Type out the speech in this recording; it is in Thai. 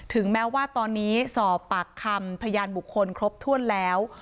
แม้ว่าตอนนี้สอบปากคำพยานบุคคลครบถ้วนแล้ว